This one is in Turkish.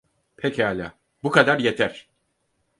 Pekala, bu kadar yeter!